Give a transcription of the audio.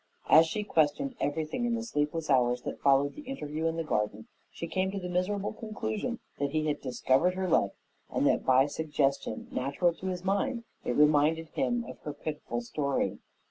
As she questioned everything in the sleepless hours that followed the interview in the garden, she came to the miserable conclusion that he had discovered her love, and that by suggestion, natural to his mind, it reminded him of her pitiful story.